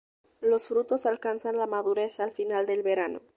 Los frutos alcanzan la madurez al final del verano.